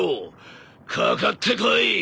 かかってこい！